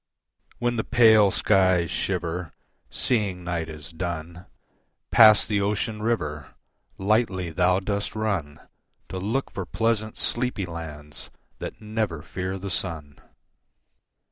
When the pale skies shiver, Seeing night is done, Past the ocean river, Lightly thou dost run, To look for pleasant, sleepy lands, That never fear the sun.